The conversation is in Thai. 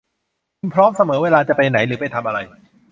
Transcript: คุณพร้อมเสมอเวลาจะไปไหนหรือไปทำอะไร